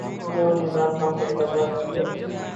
انھوں نے عمران خان سے ملاقات کی ہے۔